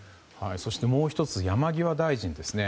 そして、もう１つ山際大臣ですね。